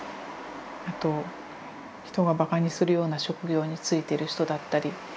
あと人がバカにするような職業に就いてる人だったり。